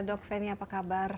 dok feni apa kabar